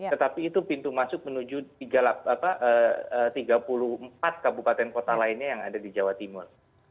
tetapi itu pintu masuk menuju tiga puluh empat kabupaten kota lainnya yang ada di jawa timur